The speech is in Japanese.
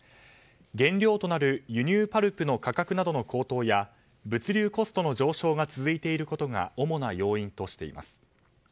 原料となる輸入パルプの価格の高騰や物流コストの上昇が続いていることが主な要因としています。